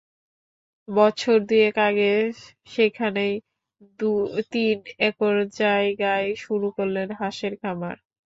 বছর দুয়েক আগে সেখানেই তিন একর জায়গায় শুরু করেন হাঁসের খামার।